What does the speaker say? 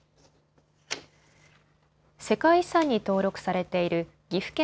世界遺産に登録されている岐阜県